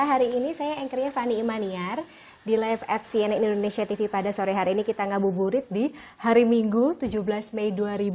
hari ini saya ankria fani imaniar di live at cnn indonesia tv pada sore hari ini kita ngabuburit di hari minggu tujuh belas mei dua ribu dua puluh